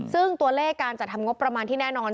ซึ่งตัวเลขการจัดทำงบประมาณที่แน่นอน